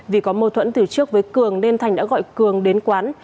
vì có mâu thuẫn từ trước với cường nên thành đã gọi cường đến quán